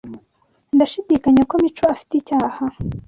Ndashidikanya ko Mico afite icyaha